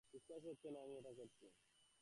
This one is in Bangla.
বিশ্বাসই হচ্ছে না আমি এটা করছি।